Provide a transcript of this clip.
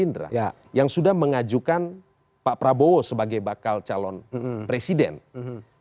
yang kedua ada yang mengatakan bahwa keberadaan pak prabowo ini bisa menjadi tarik menarik antara pak jokowi dan partai jokowi